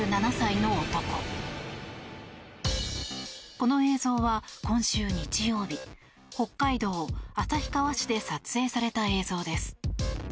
この映像は今週日曜日北海道旭川市で撮影された映像です。